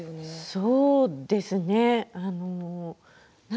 そうですね。